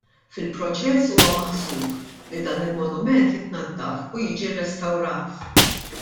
Fil-proċess huwa maħsub li dan il-monument jitnaddaf u jiġi rrestawrat.